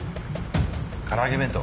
空揚げ弁当。